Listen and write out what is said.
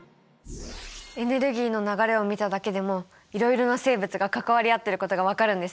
エネルギーの流れを見ただけでもいろいろな生物が関わり合ってることが分かるんですね。